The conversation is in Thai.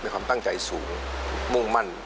ความตั้งใจสูงมุ่งมั่น